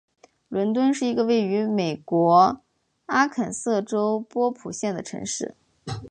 伦敦是一个位于美国阿肯色州波普县的城市。